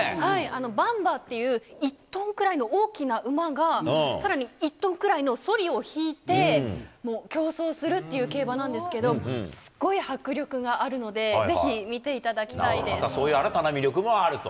ばん馬っていう１トンくらいの大きな馬がさらに１トンくらいのそりを引いて、競争するっていう競馬なんですけど、すっごい迫力があるので、ぜひ見ていただきそういう新たな魅力もあると。